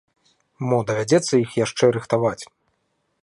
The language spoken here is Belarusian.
Мо давядзецца іх яшчэ рыхтаваць.